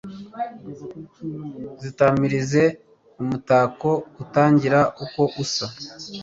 zitamirize umutako utagira uko usa